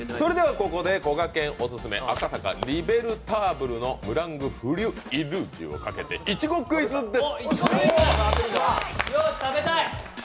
ここでこがけんお勧め、赤坂・リベルターブルのムラングフリュイルージュをかけて、いちごクイズです。